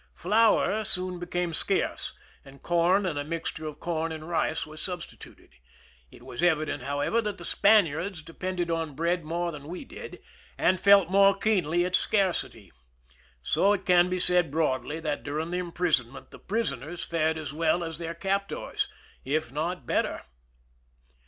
Flour soon became scarce, and corn and a mixture of corn and rice were substituted. It was evident, however, that the Spaniards depended on bread more than we did, and felt more keenly its scarcity; so it can be said broadly that during the imprisonment the prisoners fared as well as their captors, if not better.